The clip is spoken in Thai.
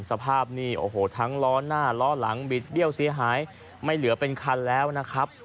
สภาพนี่โอ้โหทั้งล้อหน้าล้อหลังบิดเบี้ยวเสียหายไม่เหลือเป็นคันแล้วนะครับ